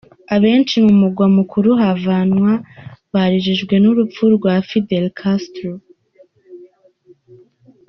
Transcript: Abenshi mu mugwa mukuru Havana barijijwe n'urupfu rwa Fidel Castro.